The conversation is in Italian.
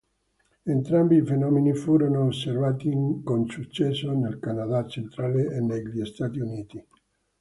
Entrambi i fenomeni furono osservati con successo nel Canada centrale e negli Stati Uniti.